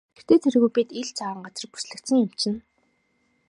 Тэртэй тэргүй бид ил цагаан газар бүслэгдсэн юм чинь.